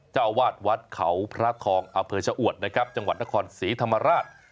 เจ้าวาดวัดเขาพระทองอำเภอชะอวดนะครับจังหวัดนครศรีธรรมราช